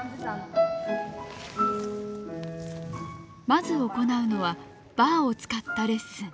まず行うのはバーを使ったレッスン。